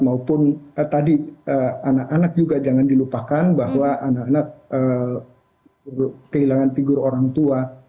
maupun tadi anak anak juga jangan dilupakan bahwa anak anak kehilangan figur orang tua